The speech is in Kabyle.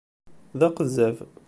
D aqezzab.